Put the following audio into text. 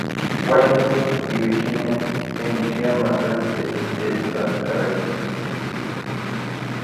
Washington y Virginia emergieron al frente de esta carrera.